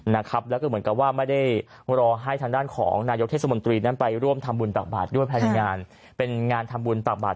นะครับแล้วก็เหมือนกับว่าไม่ได้รอให้ทางด้านของนายกเทศมนตรีนั้นไปร่วมทำบุญตักบาทด้วยภายในงานเป็นงานทำบุญตักบาท